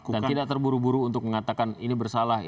dan tidak terburu buru untuk mengatakan ini bersalah